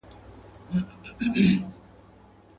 په دریاب کي پاڅېدل د اوبو غرونه.